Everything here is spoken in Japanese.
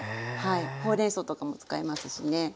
ほうれんそうとかも使いますしね。